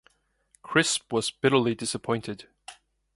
Crisp was bitterly disappointed.